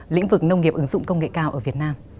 lĩnh vực nông nghiệp ứng dụng công nghệ cao ở việt nam